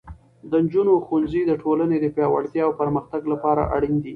د نجونو ښوونځی د ټولنې پیاوړتیا او پرمختګ لپاره اړین دی.